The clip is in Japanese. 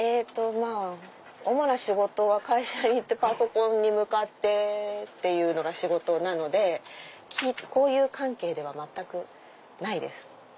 まぁ主な仕事は会社に行ってパソコンに向かってっていうのが仕事なのでこういう関係では全くないです。